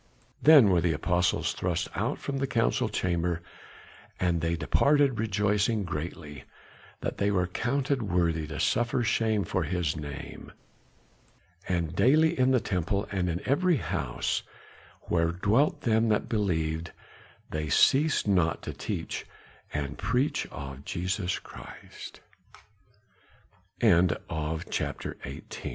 Then were the apostles thrust out from the council chamber; and they departed, rejoicing greatly that they were counted worthy to suffer shame for his name. And daily in the temple and in every house where dwelt them that believed, they ceased not to teach and preach Jesus Christ. CHAPTER XIX. IN THE